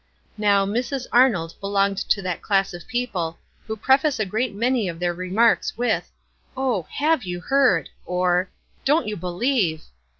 Now Mrs. Arnold belonged to that class of people who preface a great many of their re marks with, "Oh, have you heard !" or "Don't you believe